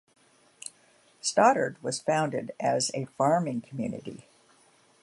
Stoddard was founded as a farming community.